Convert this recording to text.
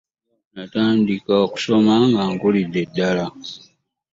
Natandika okusoma nga nkulidde ddala.